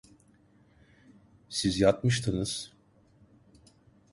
Siz yatmıştınız…